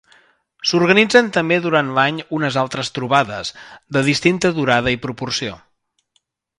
S'organitzen també durant l'any unes altres trobades, de distinta durada i proporció.